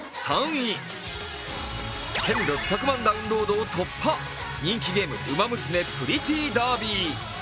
１６００ダウンロードを突破、人気ゲーム「ウマ娘プリティーダービー」。